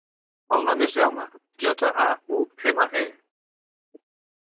El nom és Jaume: jota, a, u, ema, e.